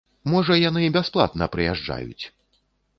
Можа яны бясплатна прыязджаюць!